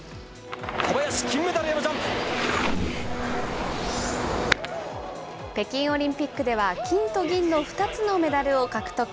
小林、北京オリンピックでは、金と銀の２つのメダルを獲得。